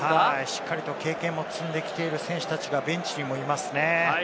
しっかり経験を積んできている選手がベンチにもいますね。